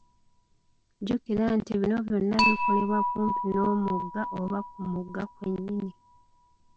Jjukira nti bino byonna bikolebwa kumpi n’omugga oba ku mugga kwennyini.